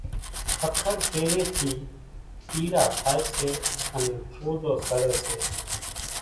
ککر ڪيڙيئيَ ٿِي پيڙا ٿائيَ سي انين ۿوزو سڙيَ سي۔